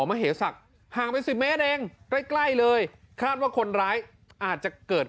มเหศักดิ์ห่างไปสิบเมตรเองใกล้ใกล้เลยคาดว่าคนร้ายอาจจะเกิด